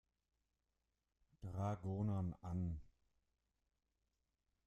Dragonern an.